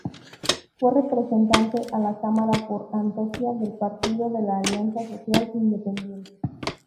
Fue Representante a la Cámara por Antioquia del Partido de la Alianza Social Independiente.